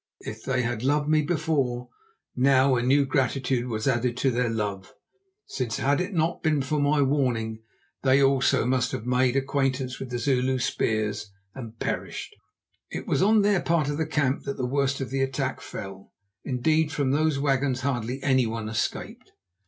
If they had loved me before, now a new gratitude was added to their love, since had it not been for my warning they also must have made acquaintance with the Zulu spears and perished. It was on their part of the camp that the worst of the attack fell. Indeed, from those wagons hardly anyone escaped.